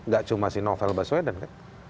gak cuma si novel baswedan kan